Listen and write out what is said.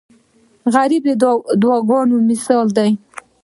غریب د دعاو مثال دی